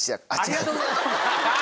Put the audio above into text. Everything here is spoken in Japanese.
ありがとうございます。